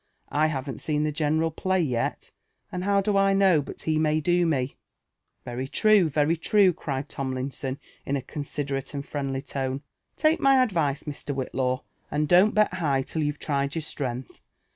I have'nl seen the general play yet ; and how do I know but he may do me*?" ''Very true, very true/' cried Tomlinson in a considerale and friendly tone. Take my advice, Mr. Whillaw, and don't bet high till you've tried your strength.